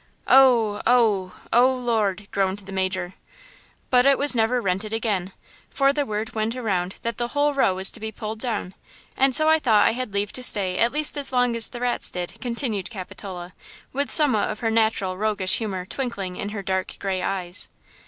"Oh! oh! oh, Lord!" groaned the major. "But it was never rented again, for the word went around that the whole row was to be pulled down, and so I thought I had leave to stay at least as long as the rats did!" continued Capitola, with somewhat of her natural roguish humor twinkling in her dark gray eyes.